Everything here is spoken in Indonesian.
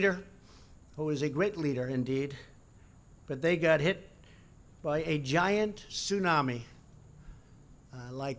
kecuali mereka mengatakan itu adalah yang paling teruk